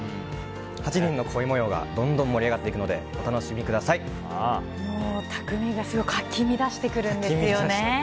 ８人の恋模様がどんどん盛り上がっていくので匠がすごいかき乱してくるんですよね。